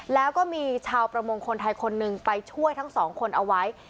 แล้วก็มีชาวประมงวลคนไทยคน๑ไปช่วยทั้ง๒คนเอาไว้